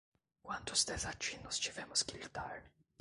Quantos desatinos tivemos que lidar